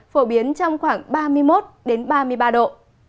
phổ biến trong khoảng ba mươi một ba mươi ba độ